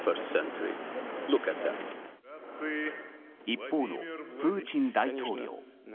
一方のプーチン大統領。